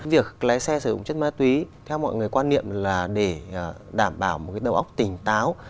việc lái xe sử dụng chất ma túy theo mọi người quan niệm là để đảm bảo một cái đầu óc tỉnh táo